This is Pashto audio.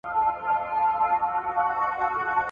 ښار د افغانانو لاس ته ورغی.